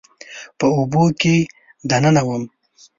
په اوبو کې دننه وم